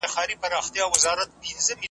د اغزیو په کاله کي خپل ملیار په سترګو وینم .